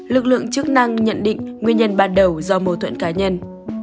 lực lượng chức năng nhận định nguyên nhân ban đầu do mâu thuẫn cá nhân